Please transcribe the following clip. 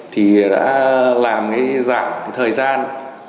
thì đã làm cái dạng thời gian